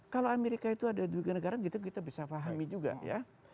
kalau amerika itu ada dua negara gitu kita bisa pahami juga ya